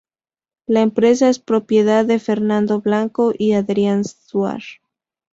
La empresa es propiedad de Fernando Blanco y Adrián Suar.